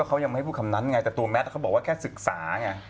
ไม่ให้พูดคำนั้นไงแต่ตัวแม่เขาบอกว่าแค่ศึกษาไง